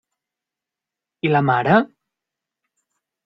I la mare?